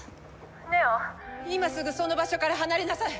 祢音今すぐその場所から離れなさい！